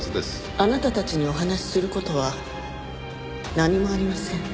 あなたたちにお話しする事は何もありません。